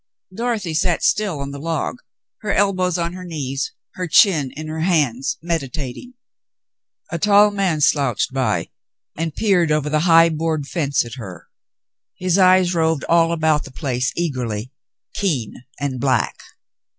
Dorothy sat still on the log, her elbows on her knees, her chin in her hands, meditating. A tall man slouched by and peered over the high board fence at her. His eyes roved all about the place eagerly, keen and black.